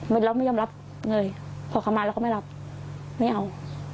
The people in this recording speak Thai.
ไม่รับไม่ยอมรับเลยขอขอมาแล้วก็ไม่รับไม่เอา